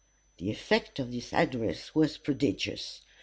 The effect of this address was prodigious.